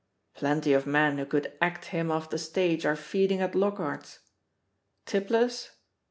Plenty of men who could act him off the stage are feeding at Lockhart's. Tipplers?